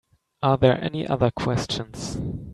Are there any other questions?